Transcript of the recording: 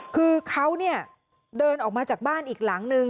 คือเขาเนี่ยเดินออกมาจากบ้านอีกหลังนึง